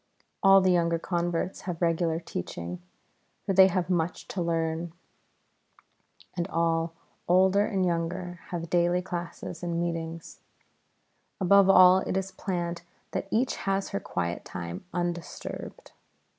All the younger converts have regular teaching, for they have much to learn, and all, older and younger, have daily classes and meetings; above all, it is planned that each has her quiet time undisturbed.